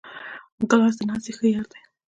ګیلاس د ناستې ښه یار دی.